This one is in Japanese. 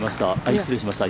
失礼しました。